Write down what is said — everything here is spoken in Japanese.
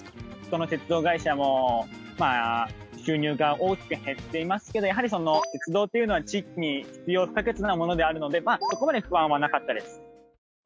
どの鉄道会社も収入が大きく減っていますけどやはりその鉄道っていうのは地域に不可欠なものであるのでそこまで不安はなかったです。